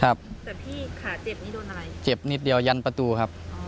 แต่พี่ขาเจ็บนี้โดนอะไรเจ็บนิดเดียวยันประตูครับ